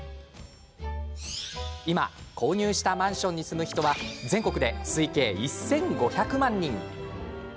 今、購入したマンションに住む人は全国で推計１５００万人以上。